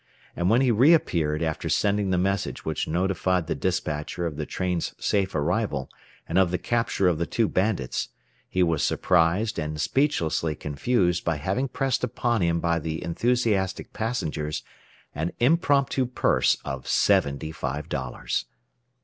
And when he reappeared after sending the message which notified the despatcher of the train's safe arrival and of the capture of the two bandits, he was surprised and speechlessly confused by having pressed upon him by the enthusiastic passengers an impromptu purse of seventy five dollars.